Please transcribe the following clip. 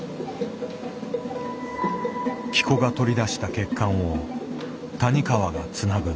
喜古が取り出した血管を谷川がつなぐ。